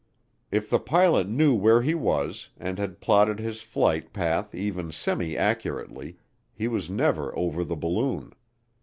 If the pilot knew where he was, and had plotted his flight path even semi accurately, he was never over the balloon.